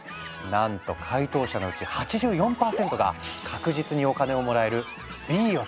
なんと回答者のうち８４％が確実にお金をもらえるＢを選択したんだ。